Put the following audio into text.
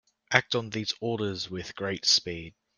Act on these orders with great speed.